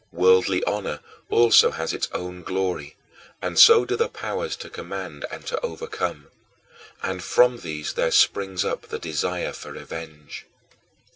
Worldly honor also has its own glory, and so do the powers to command and to overcome: and from these there springs up the desire for revenge.